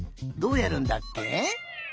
どうやるんだっけ？